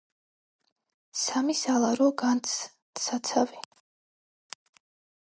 სამი სალარო განძთსაცავი